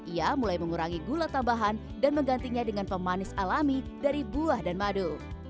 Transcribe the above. ia mulai mengurangi gula tambahan dan menggantinya dengan pemanis alami dari buah dan madu